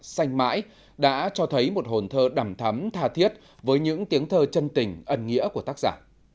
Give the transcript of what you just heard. xanh mãi đã cho thấy một hồn thơ đầm thắm thà thiết với những tiếng thơ chân tình ẩn nghĩa của tác giả